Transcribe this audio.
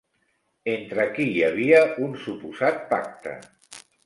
Entre qui hi havia un suposat pacte?